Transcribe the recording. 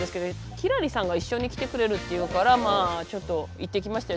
輝星さんが一緒に来てくれるっていうからまあちょっと行ってきましたよ